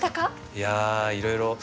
いやいろいろ。